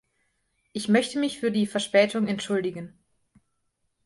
Ich möchte mich für die Verspätung entschuldigen.